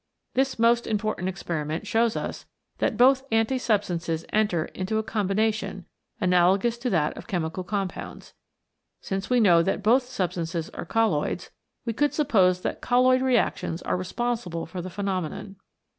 This most important experiment shows us that both anti substances enter into a com bination, analogous to that of chemical compounds. Since we know that both substances are colloids, we could suppose that colloid reactions are re sponsible for the phenomenon.